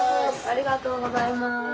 ありがとうございます。